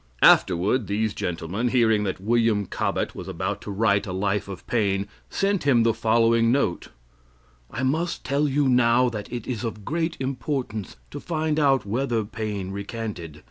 Afterward, these gentlemen, hearing that William Cobbet was about to write a life of Paine, sent him the following note: I must tell you now that it is of great importance to find out whether Paine recanted.